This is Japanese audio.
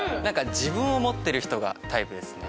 自分を持ってる人がタイプですね